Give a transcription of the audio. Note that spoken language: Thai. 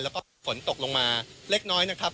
แล้วก็ฝนตกลงมาเล็กน้อยนะครับ